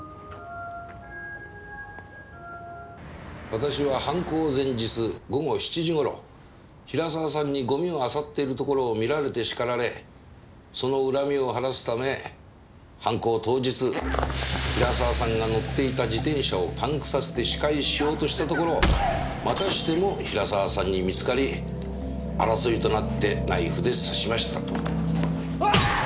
「私は犯行前日午後７時頃比良沢さんにゴミをあさっているところを見られて叱られその恨みを晴らすため犯行当日比良沢さんが乗っていた自転車をパンクさせて仕返ししようとしたところをまたしても比良沢さんに見つかり争いとなってナイフで刺しました」と。